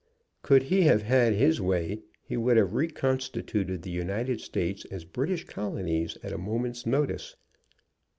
Could he have had his way, he would have reconstituted the United States as British Colonies at a moment's notice.